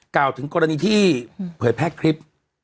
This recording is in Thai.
กล่าวถึงกรณีที่เผยแพร่คลิป